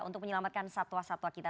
untuk menyelamatkan satwa satwa kita